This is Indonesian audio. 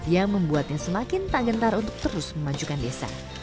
yang membuatnya semakin tak gentar untuk terus memajukan desa